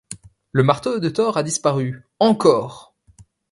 Le marteau de Thor a disparu, encore!